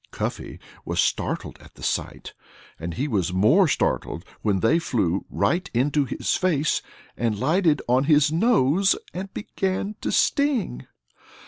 Cuffy was startled at the sight. And he was more startled when they flew right into his face and lighted on his nose and began to sting.